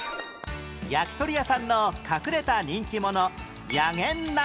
焼き鳥屋さんの隠れた人気者